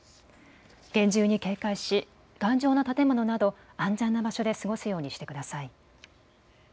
厳重に警戒し頑丈な建物など安全な場所で過ごすようにしてください。